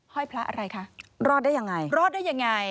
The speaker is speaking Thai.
ห้อยพระอะไรคะรอดได้ยังไงรอดได้ยังไง